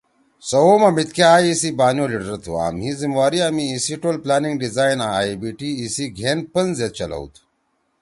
سوؤ ما مِتکے آ ایِسی بانی او لیڈر تُھو آں مھی زمہ واریِا می ایِسی ٹول پلاننگ، ڈیرائن آں (ائی بی ٹی) ایِسی گھین پن زید چلؤ تُھو۔